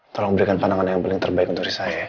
tolong berikan pandangan yang paling terbaik untuk saya